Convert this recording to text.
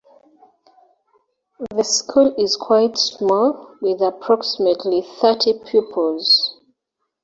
The school is quite small, with approximately thirty pupils.